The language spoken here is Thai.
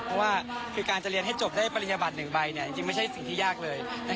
เพราะการเรียนให้จบปฏิบัติทั้งหนึ่งใบไม่ใช่สิ่งที่ยากเลย